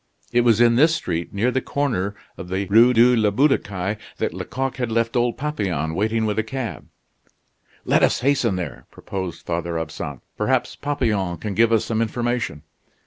It was in this street, near the corner of the Rue de la Butte aux Cailles, that Lecoq had left old Papillon waiting with the cab. "Let us hasten there!" proposed Father Absinthe; "perhaps Papillon can give us some information."